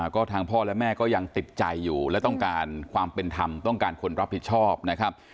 ก็ทางพ่อและแม่ก็ยังติดใจอยู่และต้องการความเป็นธรรมต้องการคนรับผิดชอบนะครับ